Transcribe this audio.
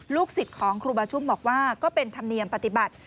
สิทธิ์ของครูบาชุ่มบอกว่าก็เป็นธรรมเนียมปฏิบัติ